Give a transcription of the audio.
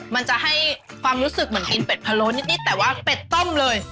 มันจะให้ความรู้สึกเหมือนกินเป็ดพะโล้นิดแต่ว่าเป็ดต้มเลย